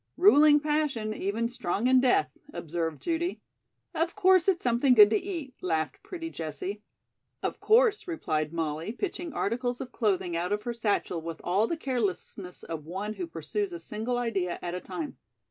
"Ruling passion even strong in death," observed Judy. "Of course it's something good to eat," laughed pretty Jessie. "Of course," replied Molly, pitching articles of clothing out of her satchel with all the carelessness of one who pursues a single idea at a time.